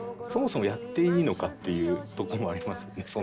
そもそもやっていいのかっていうとこもありますよね。